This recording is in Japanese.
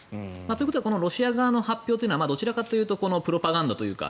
ということはこのロシア側の発表はどちらかというとプロパガンダというか。